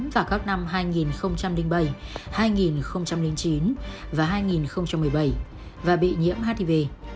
vào các năm hai nghìn bảy hai nghìn chín và hai nghìn một mươi bảy và bị nhiễm hiv